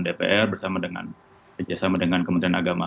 delapan dpr bersama dengan kementerian agama